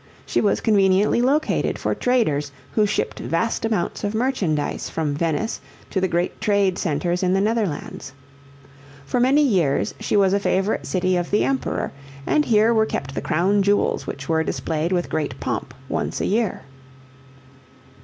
She was conveniently located for traders who shipped vast amounts of merchandise from Venice to the great trade centers in the Netherlands. For many years she was a favorite city of the Emperor and here were kept the crown jewels which were displayed with great pomp once a year.